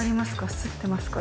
擦ってますか？